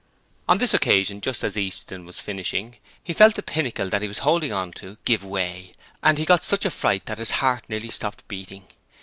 On this occasion, just as Easton was finishing he felt the pinnacle that he was holding on to give way, and he got such a fright that his heart nearly stopped beating.